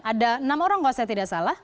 ada enam orang kalau saya tidak salah